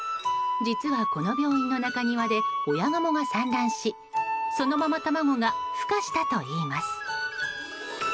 実は、この病院の中庭で親ガモが産卵しそのまま卵が孵化したといいます。